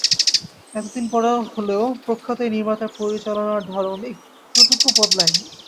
এত দিন পরে হলেও প্রখ্যাত এই নির্মাতার পরিচালনার ধরন এতটুকু বদলায়নি।